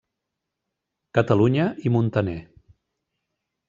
Catalunya i Muntaner.